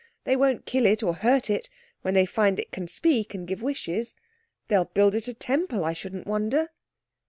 They won't kill it or hurt it when they find it can speak and give wishes. They'll build it a temple, I shouldn't wonder."